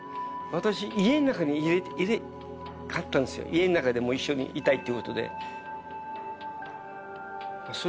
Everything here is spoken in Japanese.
家の中でも一緒にいたいっていうことで。